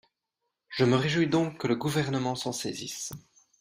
Je me réjouis donc que le Gouvernement s’en saisisse.